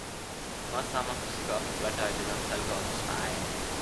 म सामाखुशीको अफिसबाट अहिले नक्सालको अफिसमा अाए ।